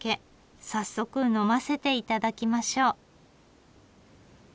早速呑ませていただきましょう。